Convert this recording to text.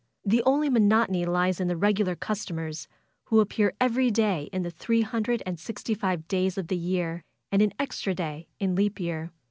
The only monotony lies in the regular customers, who appear every day in the three hundred and sixty five days of the year, and an extra day in leap year.